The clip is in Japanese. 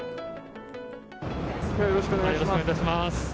よろしくお願いします